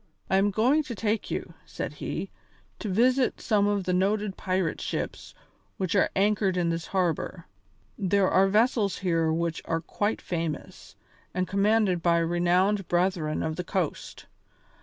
"I am going to take you," said he, "to visit some of the noted pirate ships which are anchored in this harbour. There are vessels here which are quite famous, and commanded by renowned Brethren of the Coast.